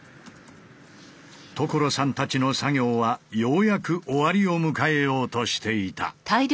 所さんたちの作業はようやく終わりを迎えようとしていた。